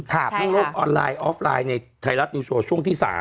ถามรบออนไลน์ออฟไลน์ในไทยรัฐยูชัวร์ช่วงที่๓